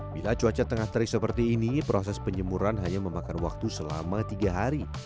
bila cuaca tengah terik seperti ini proses penjemuran hanya memakan waktu selama tiga hari